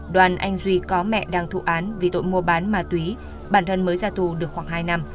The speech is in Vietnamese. đoàn anh duy có mẹ đang thụ án vì tội mua bán ma túy bản thân mới ra tù được khoảng hai năm